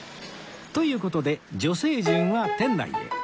という事で女性陣は店内へ